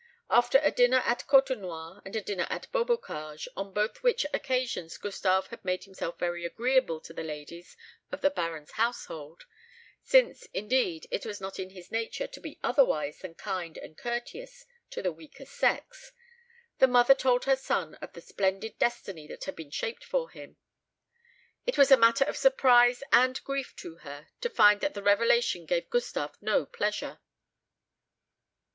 After a dinner at Côtenoir and a dinner at Beaubocage, on both which occasions Gustave had made himself very agreeable to the ladies of the Baron's household since, indeed, it was not in his nature to be otherwise than kind and courteous to the weaker sex the mother told her son of the splendid destiny that had been shaped for him. It was a matter of surprise and grief to her to find that the revelation gave Gustave no pleasure.